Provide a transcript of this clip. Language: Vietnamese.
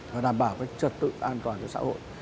và đảm bảo cái trật tự an toàn cho xã hội